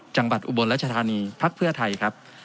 อุบลรัชธานีพักเพื่อไทยครับ